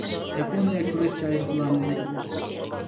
ياپونىيە كۈرەشچى ئايروپىلانى